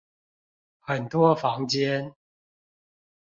很多房間